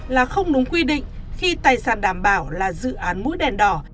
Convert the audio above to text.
là không đúng quy định khi tài sản đảm bảo là dự án mũi đèn đỏ